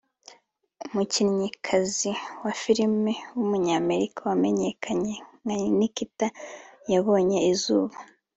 umukinnyikazi wa filime w’umunyamerika wamenyekanye nka Nikita yabonye izuba